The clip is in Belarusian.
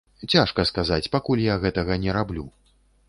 Цяжка сказаць, пакуль я гэтага не раблю.